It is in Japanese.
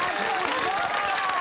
すごーい！